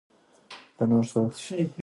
دانور سادات له قاتل یې وپوښتل